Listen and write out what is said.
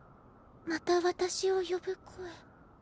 また私を呼ぶ声。